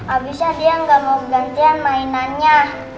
abisnya dia nggak mau gantian mainannya